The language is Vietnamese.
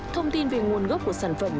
thông tin về nguồn gốc của sản phẩm